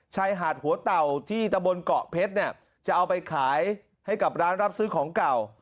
ชายหาดหัวเต่าที่ตะบนเกาะเพชรเนี่ยจะเอาไปขายให้กับร้านรับซื้อของเก่า